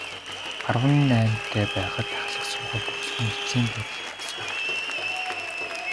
Арван наймтай байхад ахлах сургууль төгсөх нь эцсийн буудал байсан.